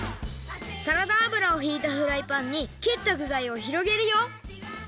サラダあぶらをひいたフライパンにきったぐざいをひろげるよ。